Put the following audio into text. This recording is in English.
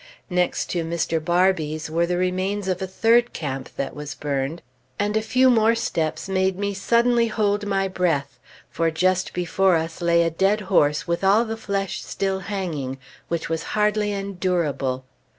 Next to Mr. Barbee's were the remains of a third camp that was burned; and a few more steps made me suddenly hold my breath, for just before us lay a dead horse with the flesh still hanging, which was hardly endurable.